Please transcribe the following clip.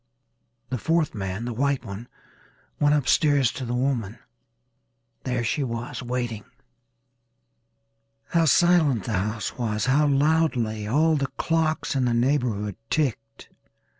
The fourth man, the white one, went upstairs to the woman. There she was waiting. How silent the house was how loudly all the clocks in the neighborhood ticked.